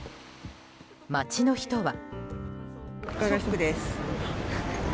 街の人は。